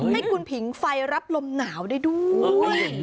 ให้คุณผิงไฟรับลมหนาวได้ด้วย